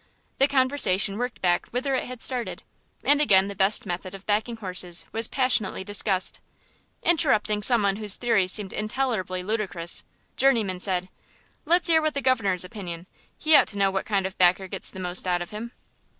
The conversation worked back whither it had started, and again the best method of backing horses was passionately discussed. Interrupting someone whose theories seemed intolerably ludicrous, Journeyman said "Let's 'ear what's the governor's opinion; he ought to know what kind of backer gets the most out of him."